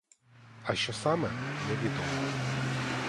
А що саме — невідомо.